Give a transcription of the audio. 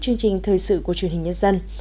chương trình thời sự của truyền hình nhân dân